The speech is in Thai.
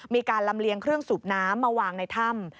มีการลำเลียงเครื่องสูบน้ำมาวางในถ้ำ